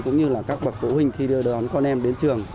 cũng như là các bậc phụ huynh khi đưa đón con em đến trường